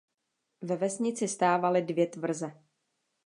Ve vesnici stávaly dvě tvrze.